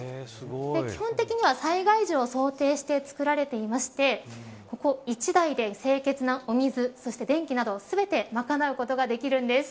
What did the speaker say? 基本的には、災害時を想定して作られていまして１台で清潔なお水そして電気など全て賄うことができるんです。